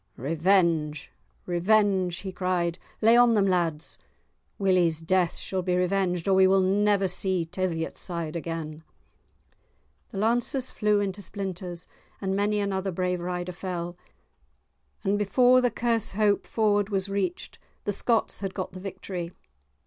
"Revenge! revenge!" he cried; "lay on them, lads. Willie's death shall be revenged or we will never see Teviotside again." The lances flew into splinters, and many another brave rider fell, and before the Kershope ford was reached, the Scots had got the victory.